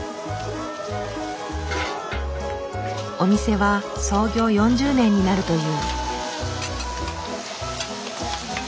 お店は創業４０年になるという。